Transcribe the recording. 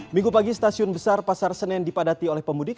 minggu pagi stasiun besar pasar senen dipadati oleh pemudik